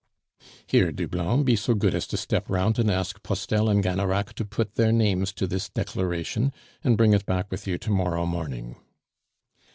"Here, Doublon, be so good as to step round and ask Postel and Gannerac to put their names to this declaration, and bring it back with you to morrow morning."